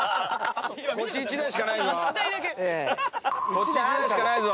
こっち１台しかないぞ。